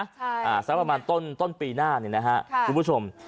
ใช่อ่าสักประมาณต้นต้นปีหน้าเนี่ยนะฮะค่ะคุณผู้ชม